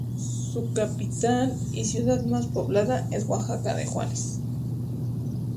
Su capital y ciudad más poblada es Oaxaca de Juárez.